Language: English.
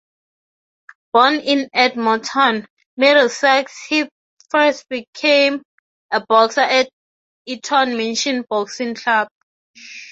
Born in Edmonton, Middlesex, he first became a boxer at Eton Mission Boxing Club.